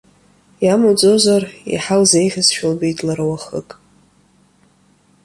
Иамуӡозар иаҳа илзеиӷьызшәа лбеит лара уахык.